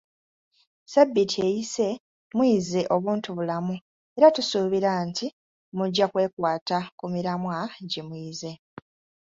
Sabbiiti eyise muyize obuntubulamu era tusuubira nti mujja kwekwata ku miramwa gye muyize.